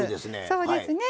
そうですね。